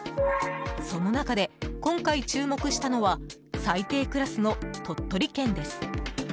その中で今回、注目したのは最低クラスの鳥取県です。